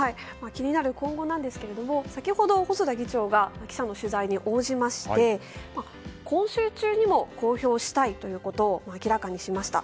気になる今後ですが先ほど、細田議長が記者の取材に応じまして今週中にも公表したいと明らかにしました。